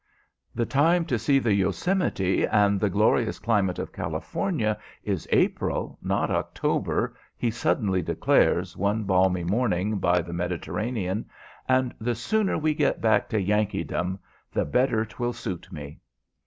"The time to see the Yosemite and 'the glorious climate of California' is April, not October," he suddenly declares, one balmy morning by the Mediterranean; "and the sooner we get back to Yankeedom the better 'twill suit me."